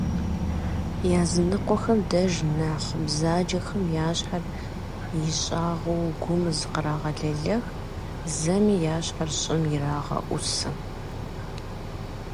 Языныкъуэхэм деж нэхъ бзаджэхэм я щхьэр ищӀагъыу гум зыкърагъэлэлэх, зэми я щхьэр щӀым ирагъэӀусэ.